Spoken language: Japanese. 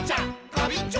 ガビンチョ！